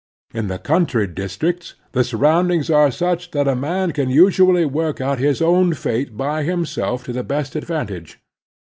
In the cotmtry districts the surroundings are such that a man can ustially 19 290 The Strenuous Life work out his own fate by himself to the best advan tage.